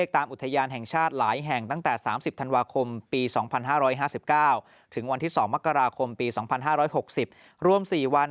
ถึงวันที่๒มกราคมปี๒๕๖๐รวม๔วัน